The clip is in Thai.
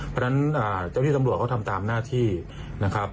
เพราะฉะนั้นเจ้าที่ตำรวจเขาทำตามหน้าที่นะครับ